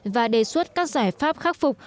và đề xuất các giải pháp khắc phục